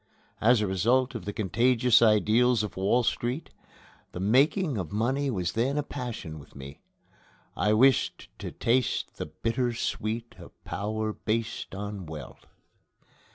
As a result of the contagious ideals of Wall Street, the making of money was then a passion with me. I wished to taste the bitter sweet of power based on wealth.